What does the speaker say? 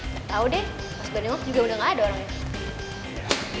gak tau deh pas bener bener juga udah gak ada orang